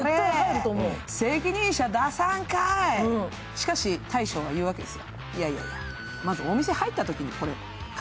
しかし、大将は言うわけです。